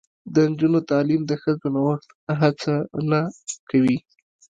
د نجونو تعلیم د ښځو نوښت هڅونه کوي.